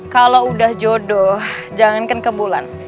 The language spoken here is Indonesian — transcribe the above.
kalau udah jodoh jangankan ke bulan